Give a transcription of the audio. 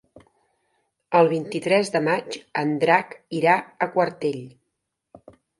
El vint-i-tres de maig en Drac irà a Quartell.